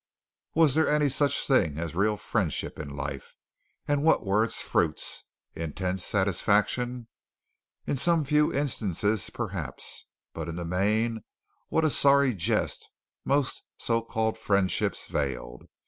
Was there any such thing as real friendship in life, and what were its fruits intense satisfaction? In some few instances, perhaps, but in the main what a sorry jest most so called friendships veiled!